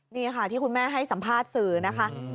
นี่ค่ะที่คุณแม่ให้สัมภาษณ์สื่อนะคะ